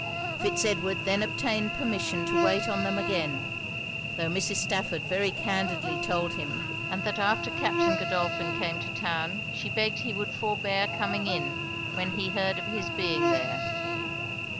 Fitz Edward then obtained permission to wait on them again; tho' Mrs. Stafford very candidly told him, that after Captain Godolphin came to town, she begged he would forbear coming in when he heard of his being there.